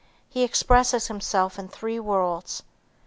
He expresses himself in three worlds.